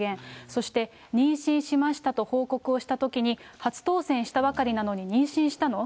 そして、妊娠しましたと報告をしたときに、初当選したばかりなのに妊娠したの？